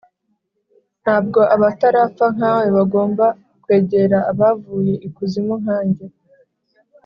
ntabwo abatarapfa nka we bagomba kwegera abavuye ikuzimu nka nge